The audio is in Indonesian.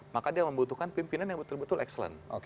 maka dia membutuhkan pimpinan yang betul betul excellent